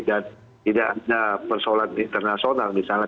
dan tidak ada personal internasional misalnya